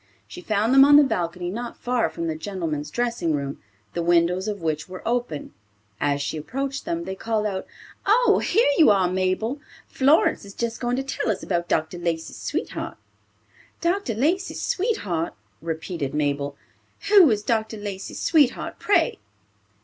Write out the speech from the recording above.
She found them on the balcony not far from the gentlemen's dressing room, the windows of which were open. As she approached them, they called out, "Oh, here you are, Mabel! Florence is just going to tell us about Dr. Lacey's sweetheart." "Dr. Lacey's sweetheart!" repeated Mabel. "Who is Dr. Lacey's sweetheart, pray?"